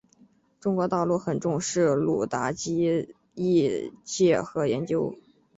中国大陆很重视鲁达基的译介和研究。